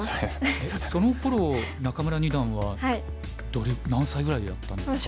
そのころ仲邑二段は何歳ぐらいだったんですか？